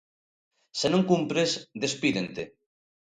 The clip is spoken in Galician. Se non cumpres, despídente.